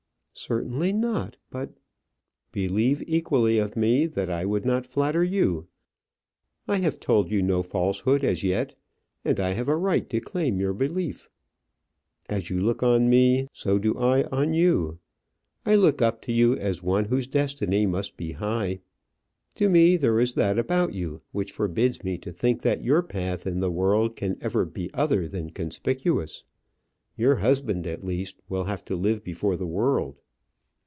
"Certainly not; but " "Believe equally of me that I would not flatter you. I have told you no falsehood as yet, and I have a right to claim your belief. As you look on me, so do I on you. I look up to you as one whose destiny must be high. To me there is that about you which forbids me to think that your path in the world can ever be other than conspicuous. Your husband, at least, will have to live before the world."